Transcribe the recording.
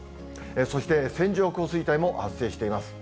そして線状降水帯も発生しています。